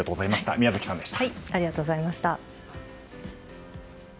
宮崎さんでした。